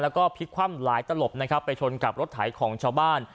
แล้วพลิกคว่ำหลายตะลบไปชนกับรถถ่ายของชาวบ้าน